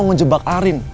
karena jebak arin